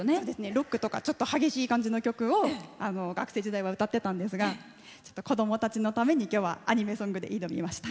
ロックとか、ちょっと激しい感じの曲を学生時代は歌ってたんですが子どもたちのために今日はアニメソングで挑みました。